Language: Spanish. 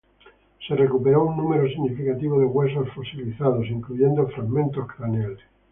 Se recuperó un número significativo de huesos fosilizados, incluyendo, fragmentos craneales.